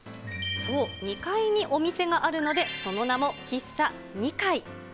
そう、２階にお店があるので、その名も喫茶ニカイ。